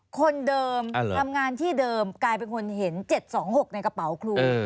คนเดิมทำงานที่เดิมกลายเป็นคนเห็น๗๒๖ในกระเป๋าครู